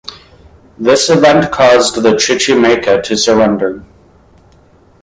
This event caused the Chichimeca to surrender.